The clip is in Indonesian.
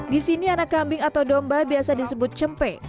disini anak kambing atau domba biasa disebut cempe